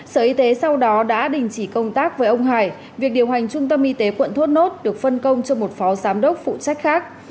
sở y tế sau đó đã đình chỉ công tác với ông hải việc điều hành trung tâm y tế quận thốt nốt được phân công cho một phó giám đốc phụ trách khác